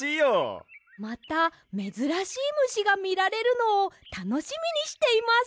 まためずらしいむしがみられるのをたのしみにしています！